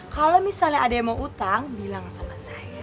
kalau misalnya ada yang mau utang bilang sama saya